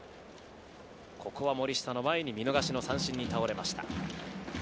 ここは森下の前に見逃しの三振に終わりました。